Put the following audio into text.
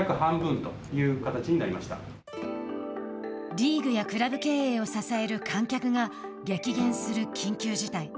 リーグやクラブ経営を支える観客が激減する緊急事態。